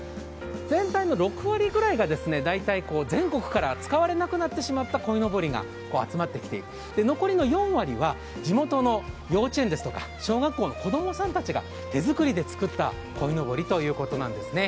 全体の６割ぐらいが大体全国から使われなくなってしまったこいのぼりが集まってきて、残りの４割は地元の幼稚園ですとか小学校の子供さんたちが手作りで作ったこいのぼりということなんですね。